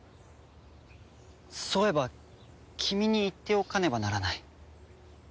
そういえば君に言っておかねばならない。